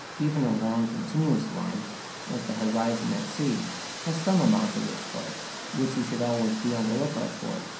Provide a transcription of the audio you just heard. Even a long continuous line, like the horizon at sea, has some amount of this play, which you should always be on the look out for.